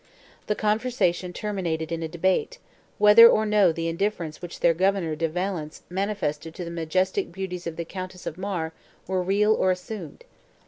The conversation terminated in a debate, whether or no the indifference which their governor De Valence manifested to the majestic beauties of the Countess of Mar were real or assumed.